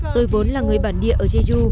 tôi vốn là người bản địa ở jeju